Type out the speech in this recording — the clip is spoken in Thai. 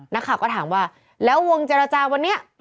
นักข่าวก็ถามว่าแล้ววงเจรจาวันนี้